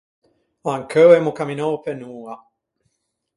Ancheu emmo camminou pe unn’oa.